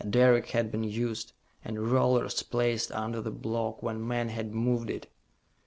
A derrick had been used, and rollers placed under the block when men had moved it.